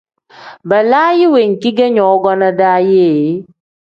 Balaayi wenki ge nyongonaa daa ye ?